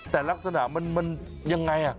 แต่ลักษณะมันมันยังไงอ่ะ